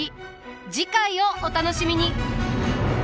次回をお楽しみに。